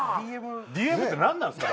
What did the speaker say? ＤＭって何なんすか？